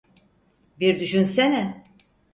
Bir düşünsene.